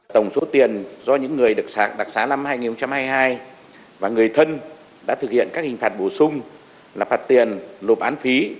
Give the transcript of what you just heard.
tổng số tiền do những người được sạc đặc xá năm hai nghìn hai mươi hai và người thân đã thực hiện các hình phạt bổ sung là phạt tiền nộp án phí